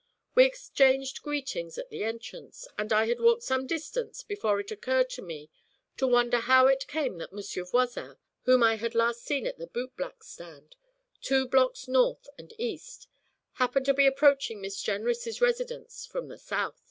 We exchanged greetings at the entrance, and I had walked some distance before it occurred to me to wonder how it came about that Monsieur Voisin, whom I had last seen at the bootblack's stand, two blocks north and east, happened to be approaching Miss Jenrys' residence from the south.